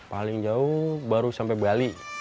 paling jauh baru sampai bali